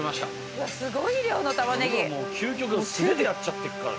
うわっもう究極の素手でやっちゃってっからね。